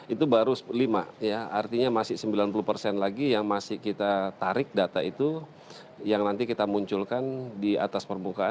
itu baru lima ya artinya masih sembilan puluh persen lagi yang masih kita tarik data itu yang nanti kita munculkan di atas permukaan